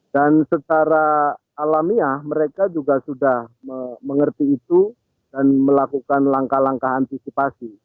dan secara alamiah mereka juga sudah mengerti itu dan melakukan langkah langkah antisipasi